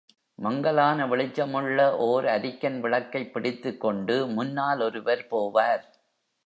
மங்கலான வெளிச்சமுள்ள ஓர் அரிக்கன் விளக்கைப் பிடித்துக் கொண்டு முன்னால் ஒருவர் போவார்.